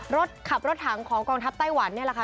รถขับรถถังของกองทัพไต้หวันเนี่ยแหละค่ะ